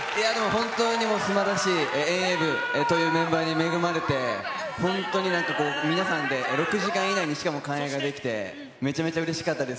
本当にすばらしい遠泳部というメンバーに恵まれて、本当になんかこう、皆さんで６時間以内に、しかも完泳ができて、めちゃめちゃうれしかったです。